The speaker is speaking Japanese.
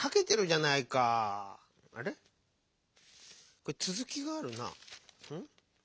これつづきがあるな。